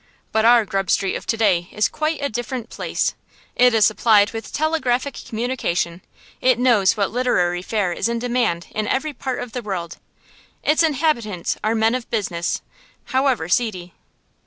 But our Grub Street of to day is quite a different place: it is supplied with telegraphic communication, it knows what literary fare is in demand in every part of the world, its inhabitants are men of business, however seedy.